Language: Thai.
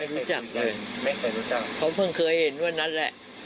ไม่เคยรู้จักเลยเพราะเพิ่งเคยเห็นวันนั้นแหละ